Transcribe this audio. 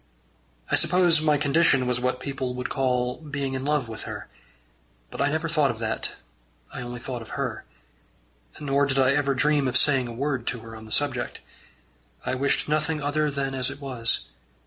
I suppose my condition was what people would call being in love with her; but I never thought of that; I only thought of her. Nor did I ever dream of saying a word to her on the subject. I wished nothing other than as it was.